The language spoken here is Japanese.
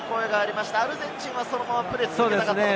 アルゼンチンはプレーを続けたかった。